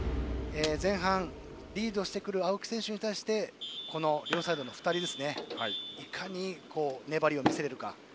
前半、リードしてくる青木選手に対して両サイドの２人がいかに粘りを見せられるか。